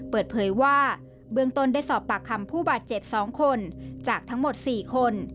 เปิดเผยว่าเบื้องต้นได้สอบปากคำผู้บาดเจ็บ๒คนจากทั้งหมด๔คน